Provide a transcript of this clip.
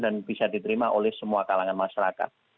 dan bisa diterima oleh semua kalangan masyarakat